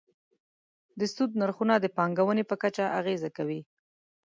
د سود نرخونه د پانګونې په کچه اغېزه کوي.